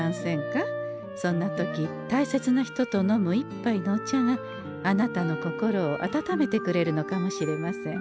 そんな時たいせつな人と飲む１杯のお茶があなたの心を温めてくれるのかもしれません。